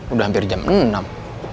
udah hampir jam enam